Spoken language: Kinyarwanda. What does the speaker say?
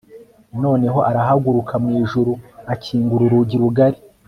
noneho arahaguruka mu ijuru, akingura urugi rugari